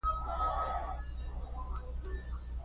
د نیویارک شتمن کسان هم هلته ناست وو